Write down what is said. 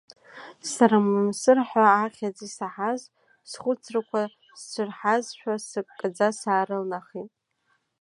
Сара Мамсыр ҳәа ахьӡ исаҳаз, схәыцрақәа сцәырҳазшәа сыккаӡа саарылнахит.